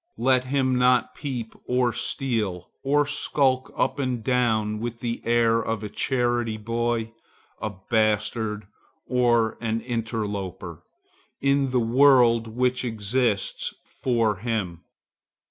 Let him not peep or steal, or skulk up and down with the air of a charity boy, a bastard, or an interloper in the world which exists for him.